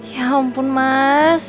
ya ampun mas